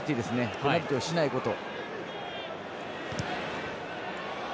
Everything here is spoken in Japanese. ペナルティをしないこと。